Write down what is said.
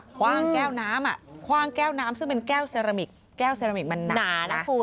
คว่างแก้วน้ำซึ่งเป็นแก้วเซรามิกแก้วเซรามิกมันหนานะ